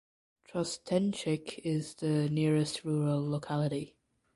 Trostenchik is the nearest rural locality.